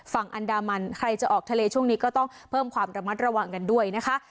ฝั่งอันดามันใครจะออกทะเลช่วงนี้ก็ต้องเพิ่มความระมัดระวังกันด้วยนะคะ